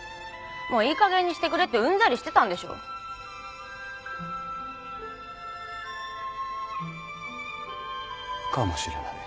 もういいかげんにしてくれってうんざりしてたんでしょ！？かもしれない。